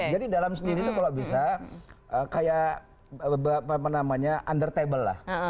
jadi dalam sendiri itu kalau bisa kayak under table lah